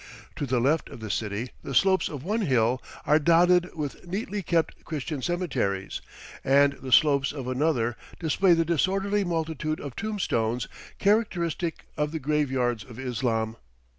To the left of the city the slopes of one hill are dotted with neatly kept Christian cemeteries, and the slopes of another display the disorderly multitude of tombstones characteristic of the graveyards of Islam.